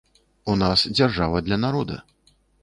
У нас дзяржава для народа.